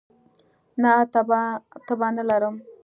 نه، تبه نه لرم